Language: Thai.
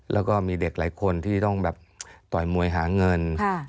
แล้วก็มีเด็กหลายคนที่ต้องแบบต่อยมวยหาเงิน